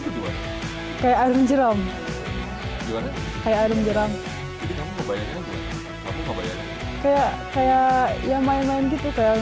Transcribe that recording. keju kayak air jeram kayak air jeram kayak kayak yang main main gitu kayak